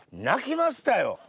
泣きましたよ。